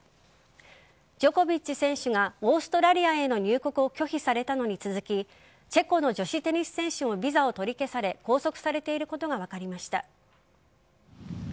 ジョコビッチ選手がオーストラリアへの入国を拒否されたのに続きチェコの女子テニス選手もビザを取り消され拘束されていることが分かりました。